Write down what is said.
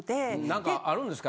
なんかあるんですか？